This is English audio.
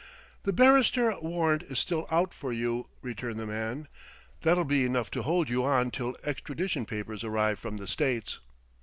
"The Bannister warrant is still out for you," returned the man. "That'll be enough to hold you on till extradition papers arrive from the States."